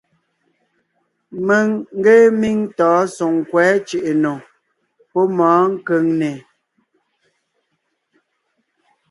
Mèŋ ngee míŋ tɔ̌ɔn Soŋkwɛ̌ Cʉ̀ʼʉnò pɔ́ mɔ̌ɔn Kʉŋnè.